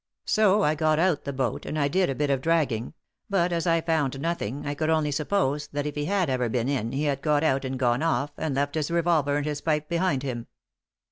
So I got out the boat, and I did a bit of dragging ; but as I found nothing I could only suppose that if he had ever been in, he had got out and gone off, and left his revolver and his pipe behind him."